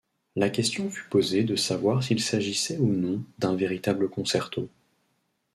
La question fut posée de savoir s'il s'agissait ou non d'un véritable concerto.